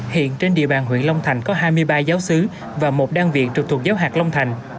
hiện trên địa bàn huyện long thành có hai mươi ba giáo sứ và một đơn vị trực thuộc giáo hạt long thành